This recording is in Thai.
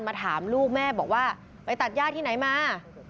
มาถามลูกแม่บอกว่าไปตัดย่าที่ไหนมา